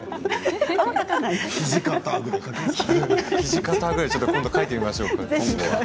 「土方」ぐらいちょっと今度書いてみましょうか。